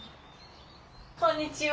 こんにちは。